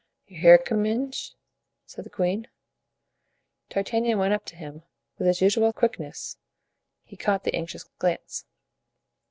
"You hear, Comminges?" said the queen. D'Artagnan went up to him; with his usual quickness he caught the anxious glance.